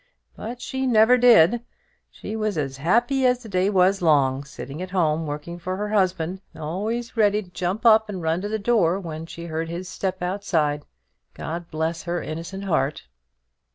But she never did; she was as happy as the day was long, sitting at home, working for her husband, and always ready to jump up and run to the door when she heard his step outside God bless her innocent heart!"